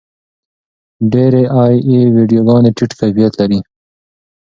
ډېرې اې ای ویډیوګانې ټیټ کیفیت لري.